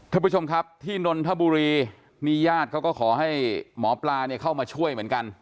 ท่านผู้ชมครับที่นนทบุรีนี่ญาติเขาก็ขอให้หมอปลาเนี่ยเข้ามาช่วยเหมือนกัน